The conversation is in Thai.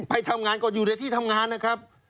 ไปทำงานก็อยู่ในที่ทำงานนะครับ